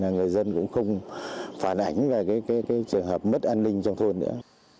người dân cũng không phản ảnh về trường hợp mất an ninh trong thôn nữa